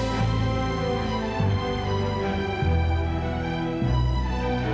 acordi remarks yang baru mua dan lemuuuuuu